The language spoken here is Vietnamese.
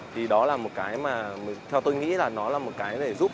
thì đó là một cái mà theo tôi nghĩ là nó là một cái để giúp